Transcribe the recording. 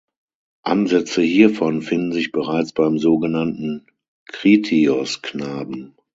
Ansätze hiervon finden sich bereits beim sogenannten Kritios-Knaben.